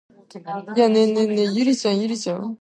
Көтү ташлаган куйны бүре алыр.